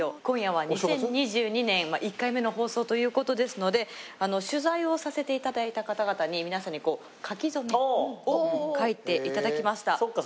今夜は２０２２年１回目の放送ということですので取材をさせていただいた方々に皆さんに書き初めを書いていただきました。